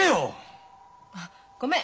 あごめん。